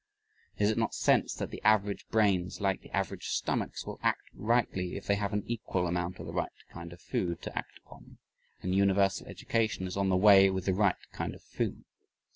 Is it not sense, that the average brains like the average stomachs will act rightly if they have an equal amount of the right kind of food to act upon and universal education is on the way with the right kind of food?